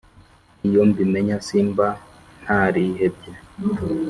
iyo mbimenya simba ntarihebye